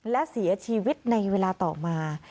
และเสียชีวิตในเวลาต่อมา